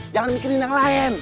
jangan mikirin yang lain